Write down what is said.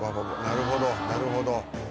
なるほどなるほど。